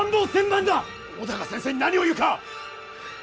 尾高先生に何を言うか！